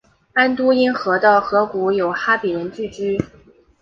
安都因河的河谷有哈比人聚居。